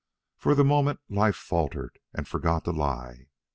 For the moment Life faltered and forgot to lie.